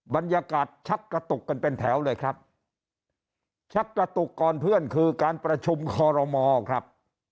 บรรยากาศชักกระตุกกันเป็นแถวเลยครับชักกระตุกก่อนเพื่อนคือการประชุมคอรมอครับ